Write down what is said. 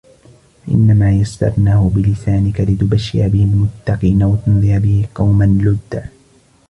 فإنما يسرناه بلسانك لتبشر به المتقين وتنذر به قوما لدا